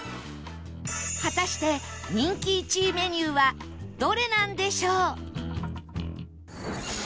果たして人気１位メニューはどれなんでしょう？